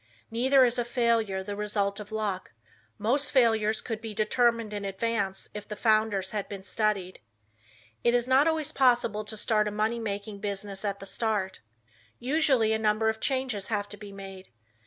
Neither is a failure the result of luck. Most failures could be determined in advance if the founders had been studied. It is not always possible to start a money making business at the start. Usually a number of changes have to be made.